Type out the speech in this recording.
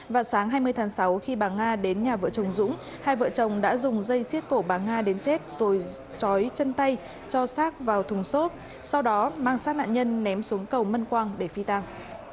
vào sáng hai mươi tháng sáu khi bà nga đến nhà vợ chồng dũng hai vợ chồng đã dùng dây xiết cổ bà nga đến chết rồi chói chân tay cho sát vào thùng xốp sau đó mang sát nạn nhân ném xuống cầu mân quang để phi tăng